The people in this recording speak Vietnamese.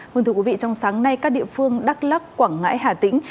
huyền thưa quý vị trong sáng nay các địa phương đắk lắk quảng ngãi hà tĩnh